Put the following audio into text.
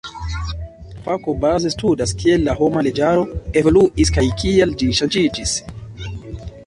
La fako baze studas, kiel la homa leĝaro evoluis kaj kial ĝi ŝanĝiĝis.